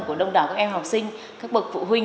của đông đảo các em học sinh các bậc phụ huynh